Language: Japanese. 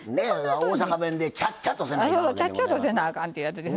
大阪弁でちゃっちゃとせなあかん。